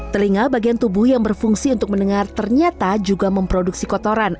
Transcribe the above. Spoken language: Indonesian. telinga bagian tubuh yang berfungsi untuk mendengar ternyata juga memproduksi kotoran